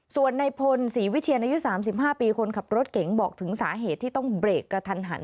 ส่วนในพลศรีวิเชียนอายุ๓๕ปีคนขับรถเก๋งบอกถึงสาเหตุที่ต้องเบรกกระทันหัน